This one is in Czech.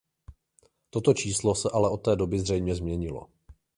Toto číslo se ale od té doby zřejmě změnilo.